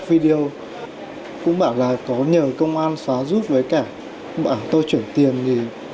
các video cũng bảo là có nhờ công an xóa rút với cả bảo tôi chuyển tiền